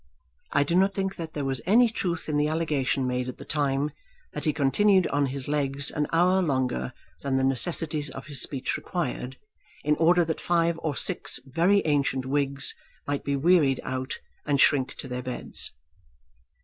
I do not think that there was any truth in the allegation made at the time, that he continued on his legs an hour longer than the necessities of his speech required, in order that five or six very ancient Whigs might be wearied out and shrink to their beds.